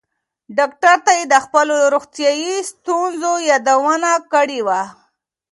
ډاکټر ته یې د خپلو روغتیایي ستونزو یادونه کړې وه.